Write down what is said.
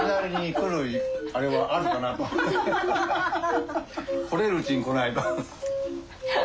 来れるうちに来ないと。